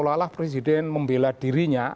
seolah olah presiden membela dirinya